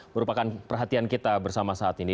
merupakan perhatian kita bersama saat ini